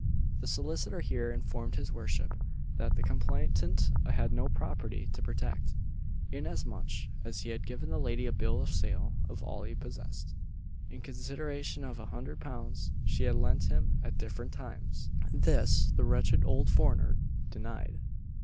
The solicitor here informed his worship, that the complainant had no property to protect inasmuch as he had given the lady a bill of sale of all he possessed, in consideration of a hundred pounds she had lent him at different times. This, the wretched old foreigner denied.